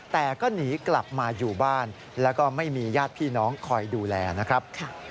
แต่ก็หนีกลับมาอยู่บ้านแล้วก็ไม่มีญาติพี่น้องคอยดูแลนะครับ